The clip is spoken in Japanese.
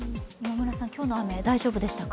今日の雨、大丈夫でしたか？